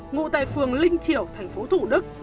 ngụ tại phường linh triểu tp thủ đức